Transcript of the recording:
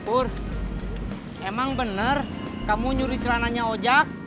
pur emang benar kamu nyuri celananya ojak